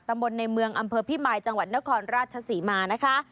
มนต์ในเมืองอำเภอพิมายจังหวัดนครราชศรีมานะคะ